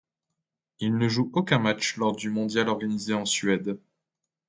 Il ne joue aucun match lors du mondial organisé en Suède.